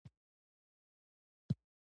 استاد د خپل یو بل ملګري شمېره ډایله کړه.